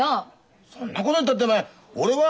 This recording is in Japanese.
そんなこと言ったってお前俺は。